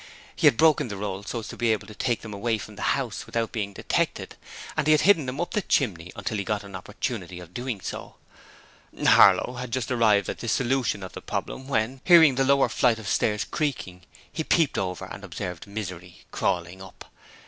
He had broken the rolls so as to be able to take them away from the house without being detected, and he had hidden them up the chimney until he got an opportunity of so doing. Harlow had just arrived at this solution of the problem when, hearing the lower flight of stairs creaking, he peeped over and observed Misery crawling up.